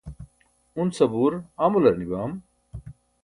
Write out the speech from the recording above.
un sabuur amular nibam?